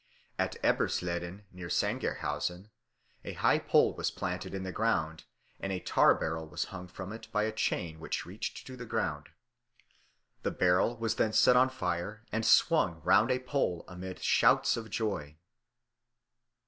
At Edersleben, near Sangerhausen, a high pole was planted in the ground and a tarbarrel was hung from it by a chain which reached to the ground. The barrel was then set on fire and swung round the pole amid shouts of joy.